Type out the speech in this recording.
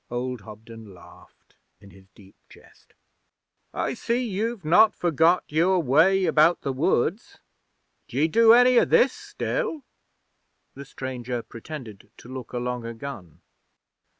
Old Hobden laughed in his deep chest. 'I see you've not forgot your way about the woods. D'ye do any o' this still?' The stranger pretended to look along a gun.